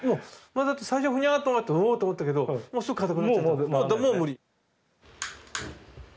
だって最初ふにゃっと曲がっておっと思ったけどもうすぐ硬くなっちゃったもう無理。